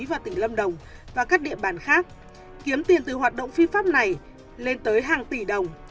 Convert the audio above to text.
và tỉnh lâm đồng và các địa bàn khác kiếm tiền từ hoạt động phi pháp này lên tới hàng tỷ đồng